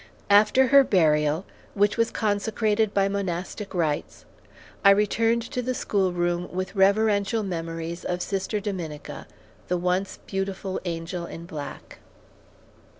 After her burial, which was consecrated by monastic rites, I returned to the schoolroom with reverential memories of Sister Dominica, the once "beautiful angel in black."